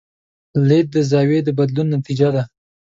لید د زاویې د بدلون نتیجه ده.